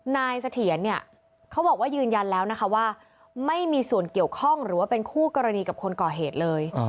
นายเสถียรเนี่ยเขาบอกว่ายืนยันแล้วนะคะว่าไม่มีส่วนเกี่ยวข้องหรือว่าเป็นคู่กรณีกับคนก่อเหตุเลย